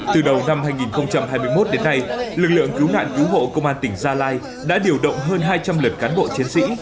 từ đầu năm hai nghìn hai mươi một đến nay lực lượng cứu nạn cứu hộ công an tỉnh gia lai đã điều động hơn hai trăm linh lượt cán bộ chiến sĩ